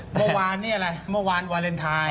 เมื่อวานนี้อะไรเมื่อวานวาเลนไทย